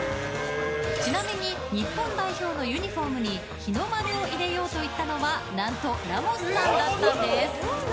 ちなみに日本代表のユニホームに日の丸を入れようと言ったのは何と、ラモスさんだったんです。